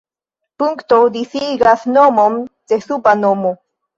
Punkto disigas nomon de suba nomo.